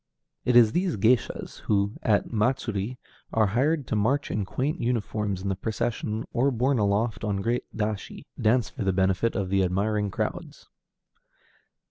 It is these géishas, too, who at matsuri are hired to march in quaint uniforms in the procession, or, borne aloft on great dashi, dance for the benefit of the admiring crowds.